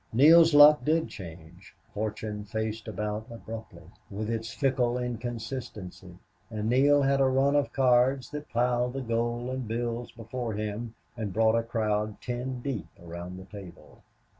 Neale's luck did change. Fortune faced about abruptly, with its fickle inconsistency, and Neale had a run of cards that piled the gold and bills before him and brought a crowd ten deep around the table.